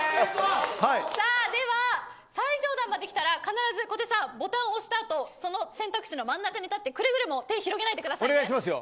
では、最上段まで来たら必ず小手さんボタンを押した後選択肢の真ん中に立ってくれぐれも手を広げないでくださいね。